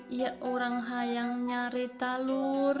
saya ingin mencari telur